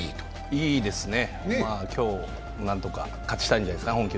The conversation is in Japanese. いいですね、今日何とか球団本拠地で勝ちたいんじゃないですか。